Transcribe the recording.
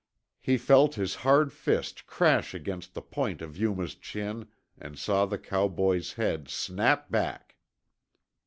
He felt his hard fist crash against the point of Yuma's chin and saw the cowboy's head snap back.